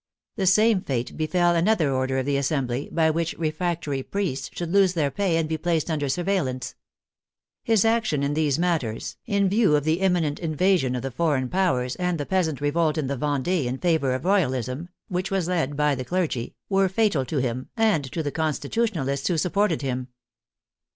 The same fate befell an other order of the Assembly, by which refractory priests should lose their pay and be placed under surveillance. His action in these matters, in view of the imminent in 32 GEORGE JACQUES DANTON THE LEGISLATIVE ASSEMBLY 33 vasion of the foreign powers and the peasant revolt in the Vendee in favor of Royalism (which was led by the clergy), were fatal to him, and to the Constitutionalists who supported him.